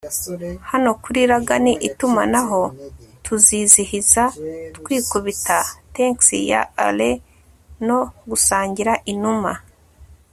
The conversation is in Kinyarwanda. Hano kuri Ragan Itumanaho tuzizihiza twikubita tanks ya ale no gusangira inuma